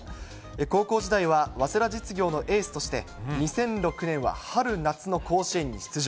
高校時代は早稲田実業のエースとして、２００６年は春夏の甲子園に出場。